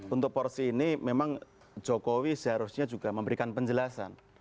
untuk porsi ini memang jokowi seharusnya juga memberikan penjelasan